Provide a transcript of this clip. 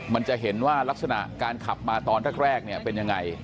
มันจะเห็นว่าลักษณะการขับมาตอนแรกเนี่ยเป็นยังไง